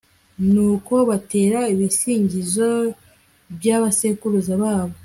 nuko batera ibisingizo by'abasekuruza babo